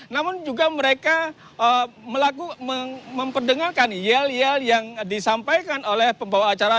namun juga mereka memperdengarkan yel yel yang disampaikan oleh pembawa acara